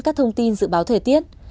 các thông tin dự báo thời tiết